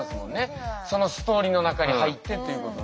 そのストーリーの中に入ってっていうこと。